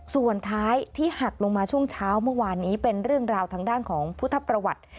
ส่วนท้ายที่หักลงมาช่วงเช้าเมื่อวานนี้เป็นเรื่องราวทางด้านของพุทธประวัติ